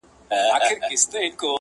چي شهپر مي تر اسمان لاندي را خپور سي!!